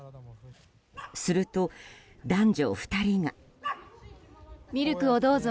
すると、男女２人が。